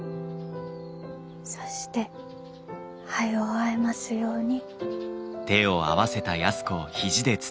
そして早う会えますように。